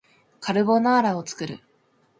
カルボナーラを作る